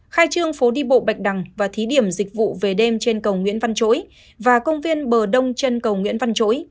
khai trương phố đi bộ bạch đằng và thí điểm dịch vụ về đêm trên cầu nguyễn văn chỗi và công viên bờ đông chân cầu nguyễn văn chối